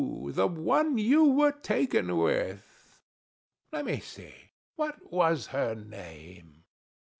the one you were taken with. Let me see: what was her name?